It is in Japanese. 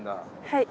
はい。